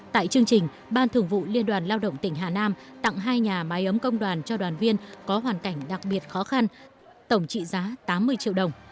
tại chương trình ban thường vụ liên đoàn lao động tỉnh hà nam tặng hai nhà máy ấm công đoàn cho đoàn viên có hoàn cảnh đặc biệt khó khăn tổng trị giá tám mươi triệu đồng